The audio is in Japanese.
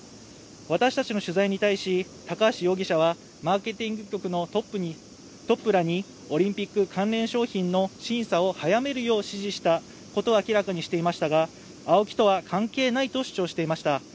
私たちの取材に対し高橋容疑者はマーケティング局のトップらにオリンピック関連商品の審査を早めるよう指示したことを明らかにしていましたがＡＯＫＩとは関係ないと主張していました。